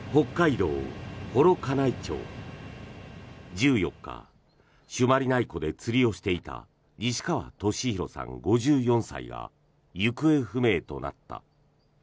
１４日朱鞠内湖で釣りをしていた西川俊宏さん、５４歳が行方不明となった。